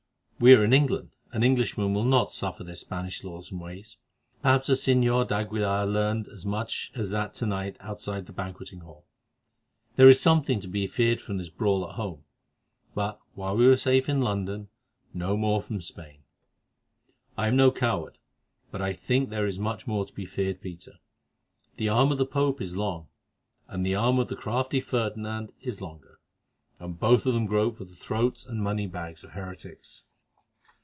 We are in England, and Englishmen will not suffer their Spanish laws and ways. Perhaps the señor d'Aguilar learned as much as that to night outside the banqueting hall. There is something to be feared from this brawl at home; but while we are safe in London, no more from Spain." "I am no coward, but I think there is much more to be feared, Peter. The arm of the Pope is long, and the arm of the crafty Ferdinand is longer, and both of them grope for the throats and moneybags of heretics."